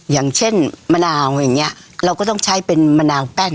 อย่างเช่นมะนาวอย่างนี้เราก็ต้องใช้เป็นมะนาวแป้ง